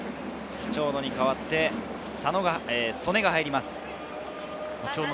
長野に代わって曽根が入ります。